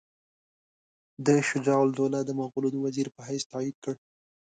ده شجاع الدوله د مغولو د وزیر په حیث تایید کړ.